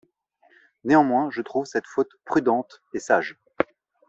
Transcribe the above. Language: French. Néanmoins, je trouve cette faute prudente et sage.